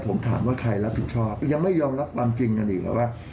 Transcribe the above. ผมถามว่าใครรับผิดชอบยังไม่ยอมรับความจริงกันอีกเหรอว่า